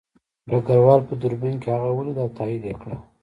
ډګروال په دوربین کې هغه ولید او تایید یې کړه